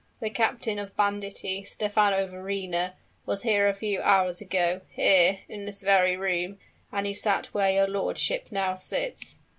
"The captain of banditti, Stephano Verrina, was here a few hours ago, here, in this very room, and he sat where your lordship now sits!"